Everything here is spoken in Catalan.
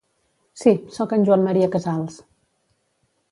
Sí, soc en Joan Maria Casals.